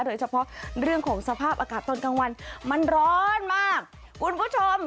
โดยเฉพาะเรื่องของสภาพอากาศตอนกลางวันมันร้อนมากคุณผู้ชม